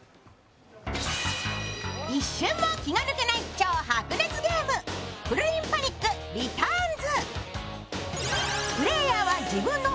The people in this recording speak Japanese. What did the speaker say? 一瞬も気が抜けない超白熱ゲーム、「くるりんパニック・リターンズ！」